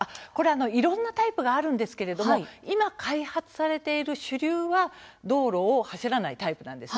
いろんなタイプがあるんですが今、開発されている主流は道路を走らないタイプなんです。